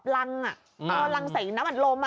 ลงอ่ะเอาลงใส่น้ำอัดลมอ่ะ